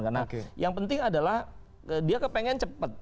karena yang penting adalah dia kepengen cepat